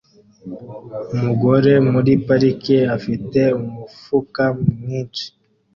Umugore muri parike afite umufuka mwinshi